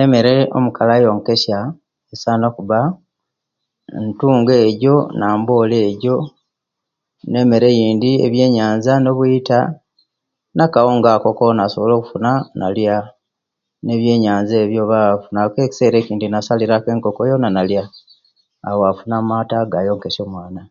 Emere omukali ayonkesiya esana okuba ntungo ejo namboli ejo nemere eyindi ebiyeyanza nobuita nakaunga ako kona asobola okufuna nalya nebyenyanza ebyo oba afuna ku ekisera ejindi nasalira ku enkoko yona naliya awo afuna amata gayonkesiya omwana